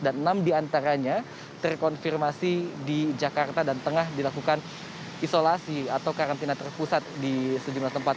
dan enam di antaranya terkonfirmasi di jakarta dan tengah dilakukan isolasi atau karantina terpusat di sejumlah tempat